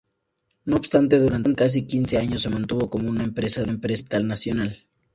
No obstante, durante casi quince años se mantuvo como una empresa de capital nacional.